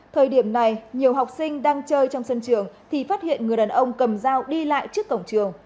thời điểm này nhiều học sinh đang chơi trong sân trường thì phát hiện người đàn ông cầm dao đi lại trước cổng trường